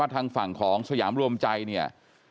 ทางฝั่งของสยามรวมใจเนี่ย